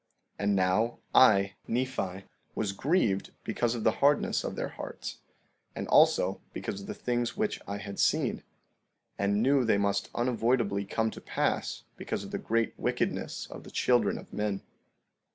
15:4 And now I, Nephi, was grieved because of the hardness of their hearts, and also, because of the things which I had seen, and knew they must unavoidably come to pass because of the great wickedness of the children of men.